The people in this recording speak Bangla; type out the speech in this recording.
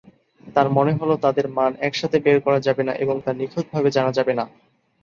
তার মানে হল, তাদের মান একসাথে বের করা যাবে না এবং তা নিখুঁতভাবে জানা যাবে না।